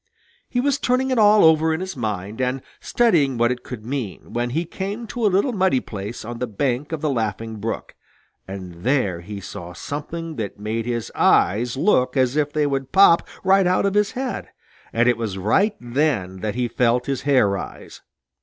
He was turning it all over in his mind and studying what it could mean, when he came to a little muddy place on the bank of the Laughing Brook, and there he saw something that made his eyes look as if they would pop right out of his head, and it was right then that he felt his hair rise.